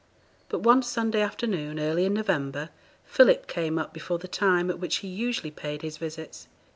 But one Sunday afternoon early in November, Philip came up before the time at which he usually paid his visits.